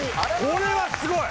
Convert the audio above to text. これはすごい。